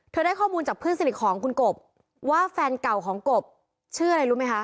ได้ข้อมูลจากเพื่อนสนิทของคุณกบว่าแฟนเก่าของกบชื่ออะไรรู้ไหมคะ